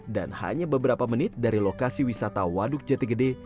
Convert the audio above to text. dan hanya beberapa menit dari lokasi wisata waduk jtgd